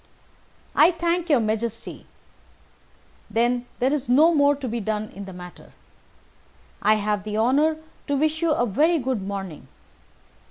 "I thank your Majesty. Then there is no more to be done in the matter. I have the honour to wish you a very good morning."